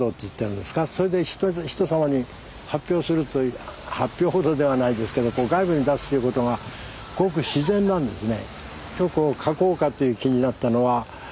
それで人様に発表するという発表ほどではないですけど外部に出すということがごく自然なんですね。